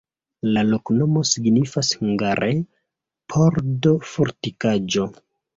La loknomo signifas hungare: pordo-fortikaĵo.